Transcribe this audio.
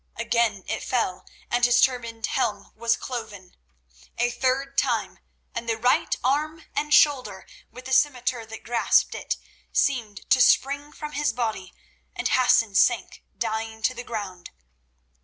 Again it fell, and his turbaned helm was cloven. A third time, and the right arm and shoulder with the scimitar that grasped it seemed to spring from his body, and Hassan sank dying to the ground.